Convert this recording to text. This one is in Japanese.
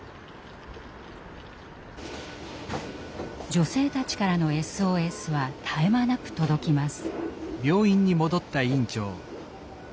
女性たちからのＳＯＳは絶え間なく届きます。